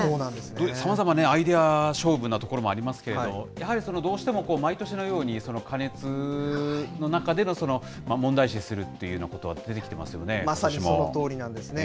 さまざまね、アイデア勝負なところもありますけれども、やはりどうしても毎年のように、過熱の中での問題視するっていうようなことが出てきてますよね、ことまさにそのとおりなんですね。